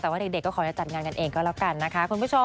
แต่ว่าเด็กก็ขอจะจัดงานกันเองก็แล้วกันนะคะคุณผู้ชม